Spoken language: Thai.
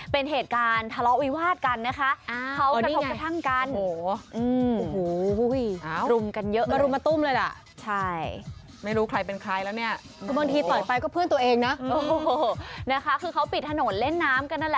เป็นเหตุการณ์ทะเลาวิวาสกันนะคะ